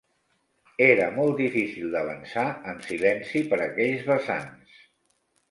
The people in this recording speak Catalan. Era molt difícil d'avançar en silenci per aquells vessants